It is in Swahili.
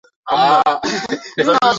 mwigizaji wa filamu tanzania kutoka njia